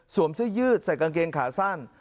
เสื้อยืดใส่กางเกงขาสั้น